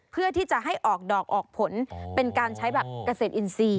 เพื่อที่จะให้ออกดอกออกผลเป็นการใช้แบบเกษตรอินทรีย์